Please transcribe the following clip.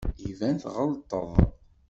Iban tɣelṭeḍ.